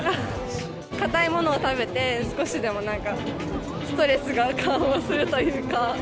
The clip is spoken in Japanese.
かたいものを食べて、少しでもストレスが緩和するというか。